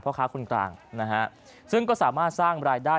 พ่อค้าคนกลางนะฮะซึ่งก็สามารถสร้างรายได้